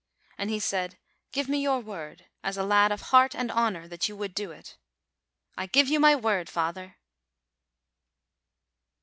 And he said, "Give me your word, as a lad of heart and honor, that you would do it." "I give you my word, father